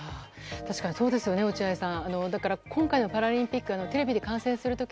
確かにそうですよね、落合さん。